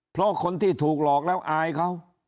เพราะคนที่ถูกหลอกแล้วอายเขา